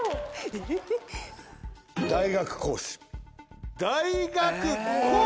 大学講師。